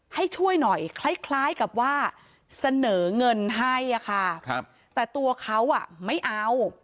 ให้ช่วยหน่อยคล้ายคล้ายกับว่าเสนอเงินให้อ่ะค่ะครับแต่ตัวเขาอ่ะไม่เอา